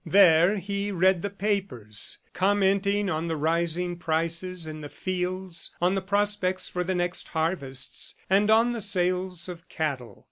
There he read the papers, commenting on the rising prices in the fields, on the prospects for the next harvests and on the sales of cattle.